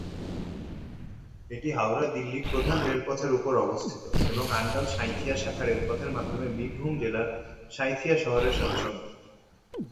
এটি হাওড়া-দিল্লি প্রধান রেলপথের উপর অবস্থিত এবং অন্ডাল-সাঁইথিয়া শাখা রেলপথের মাধ্যমে বীরভূম জেলার সাঁইথিয়া শহরের সাথে সংযুক্ত।